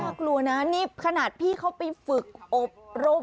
กลัวนะนี่ขนาดพี่เขาไปฝึกอบรม